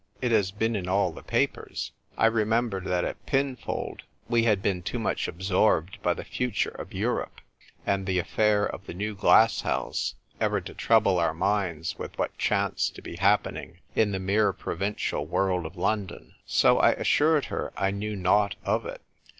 " It has been in all the papers." I remembered that at Pinfold we had been too much absorbed by the future of Europe and the affair of the new glass house ever to trouble our minds about what chanced to be happening in the mere provincial world of London. So I assured her I knew naught of it.